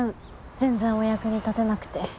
全然お役に立てなくて。